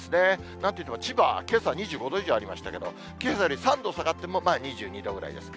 なんといっても千葉は、けさ２５度以上ありましたけれども、けさより３度下がってもまあ、２２度ぐらいです。